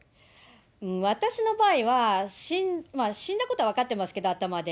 私の場合は、死んだことは分かってますけど、頭で。